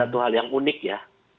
dan satu hal yang unik ya